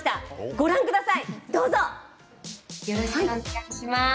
ご覧ください、どうぞ。